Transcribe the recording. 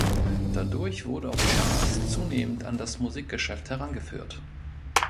Dadurch wurde auch Charles zunehmend an das Musikgeschäft herangeführt.